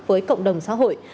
với cộng đồng xã hội